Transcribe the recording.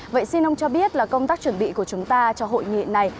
vậy xin ông cho biết là công tác chuẩn bị của chúng ta cho hội nghị này